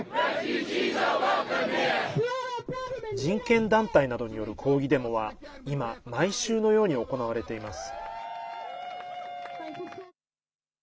人権団体などによる抗議デモは今、毎週のように行われています。